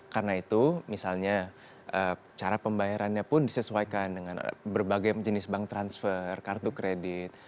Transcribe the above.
karena itu misalnya cara pembayarannya pun disesuaikan dengan berbagai jenis bank transfer kartu kredit